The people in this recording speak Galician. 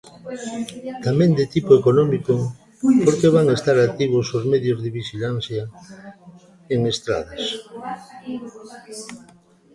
Tamén de tipo económico, porque van estar activos os medios de vixilancia en estradas.